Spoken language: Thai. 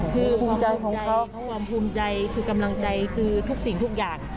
คือภูมิใจของเขาความภูมิใจคือกำลังใจคือทุกสิ่งทุกอย่าง